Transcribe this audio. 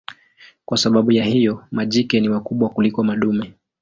Kwa sababu ya hiyo majike ni wakubwa kuliko madume.